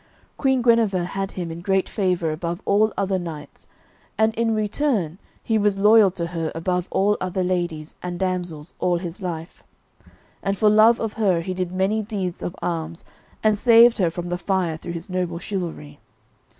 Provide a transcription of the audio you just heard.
Queen Guenever had him in great favour above all other knights, and in return he was loyal to her above all other ladies and damsels all his life, and for love of her he did many deeds of arms, and saved her from the fire through his noble chivalry.